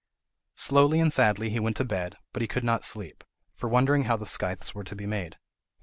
Slowly and sadly he went to bed, but he could not sleep, for wondering how the scythes were to be made.